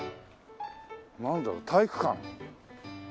なんだろう？体育館？